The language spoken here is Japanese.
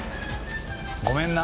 ごめんな。